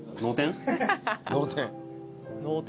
脳天？